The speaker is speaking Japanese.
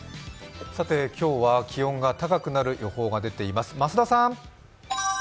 今日は気温が高くなる予報が出ています。